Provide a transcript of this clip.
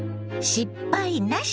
「失敗なし！